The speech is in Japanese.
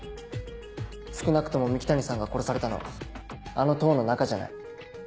少なくとも三鬼谷さんが殺されたのはあの塔の中じゃない。